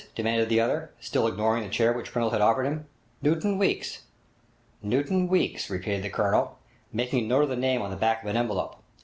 demanded the other, still ignoring the chair which Pringle had offered him. 'Newton Weeks.' 'Newton Weeks,' repeated the Colonel, making a note of the name on the back of an envelope.